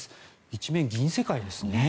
一面、銀世界ですね。